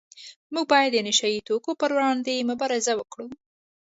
موږ باید د نشه یي توکو پروړاندې مبارزه وکړو